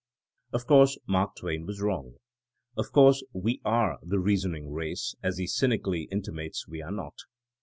'' Of course Mark Twain was wrong. Of course we are The Eeasoning Race, as he cynically in timates we are not.